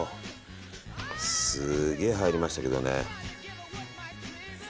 すげえ入りましたけどね。